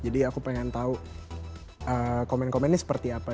jadi aku pengen tau komen komennya seperti apa